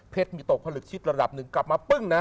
มีตกผลึกชิดระดับหนึ่งกลับมาปึ้งนะ